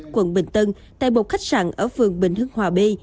quận bình tân tại một khách sạn ở phường bình hưng hòa b